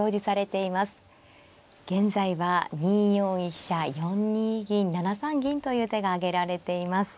現在は２四飛車４ニ銀７三銀という手が挙げられています。